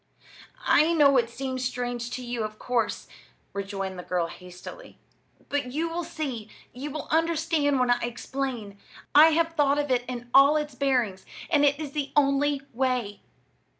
"I know, it seems strange to you, of course" rejoined the girl, hastily; "but you will see you will understand when I explain. I have thought of it in all its bearings, and it is the only way.